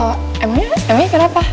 oh emangnya emangnya kenapa